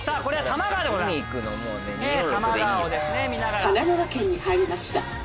神奈川県に入りました。